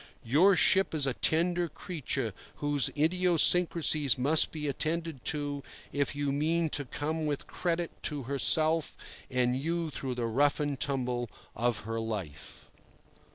Your ship is a tender creature, whose idiosyncrasies must be attended to if you mean her to come with credit to herself and you through the rough and tumble of her life.